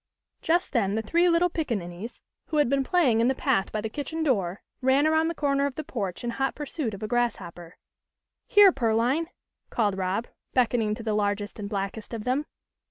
Just then the three little pickaninnies, who had been playing in the path by the kitchen door, ran around the corner of the porch in hot pursuit of a grasshopper. "Here, Pearline," called Rob, beckoning to the largest and blackest of them.